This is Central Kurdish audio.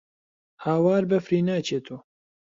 هاوار بەفری ناچێتۆ